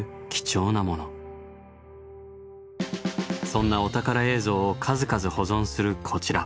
そんなお宝映像を数々保存するこちら。